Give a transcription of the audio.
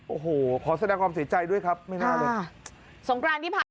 โอ้โหขอแสดงความเสียใจด้วยครับไม่น่าเลย